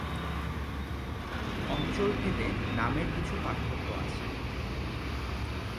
অঞ্চলভেদে নামের কিছু পার্থক্য আছে।